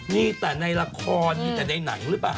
มีแต่ในละครมีแต่ในหนังหรือเปล่า